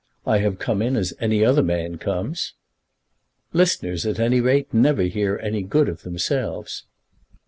"I have come in as any other man comes." "Listeners at any rate never hear any good of themselves."